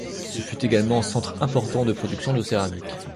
Ce fut également centre important de production de céramique.